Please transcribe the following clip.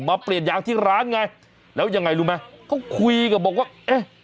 เปลี่ยนยางที่ร้านไงแล้วยังไงรู้ไหมเขาคุยกับบอกว่าเอ๊ะ